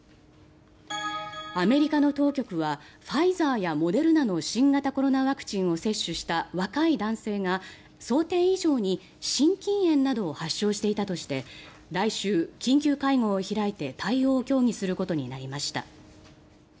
アメリカの当局はファイザーやモデルナの新型コロナワクチンを接種した若い男性が想定以上に心筋炎などを発症していたとして来週緊急会合を開いて対応を協議することになりました。